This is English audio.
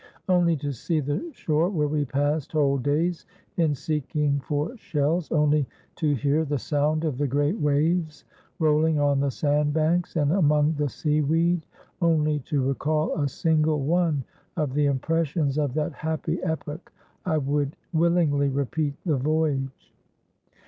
Only to see the shore where we passed whole days in seeking for shells, only to hear the sound of the great waves rolling on the sandbanks and among the seaweed, only to recall a single one of the impressions of that happy epoch, I would willingly repeat the voyage."